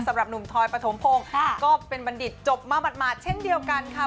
สำหรับหนุ่มทอยปฐมพงศ์ก็เป็นบัณฑิตจบมาหมาดเช่นเดียวกันค่ะ